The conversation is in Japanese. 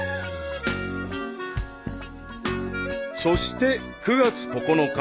［そして９月９日］